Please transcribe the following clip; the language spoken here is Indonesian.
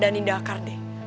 dhani dakar deh